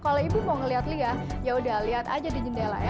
kalau ibu mau liat lia yaudah liat aja di jendela ya